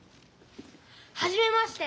はじめまして。